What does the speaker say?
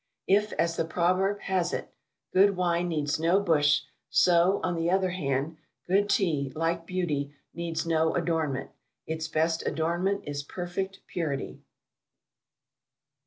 If, as the proverb has it, "Good wine needs no bush," so, on the other hand, good Tea, like beauty, needs no adornment. Its best adornment is perfect purity.